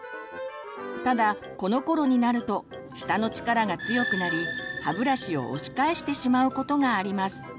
ただこのころになると舌の力が強くなり歯ブラシを押し返してしまうことがあります。